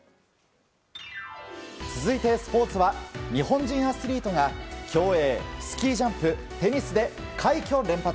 続いてスポーツは日本人アスリートが競泳、スキージャンプテニスで快挙連発。